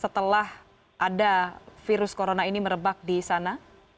setelah ada virus corona ini merebak di sana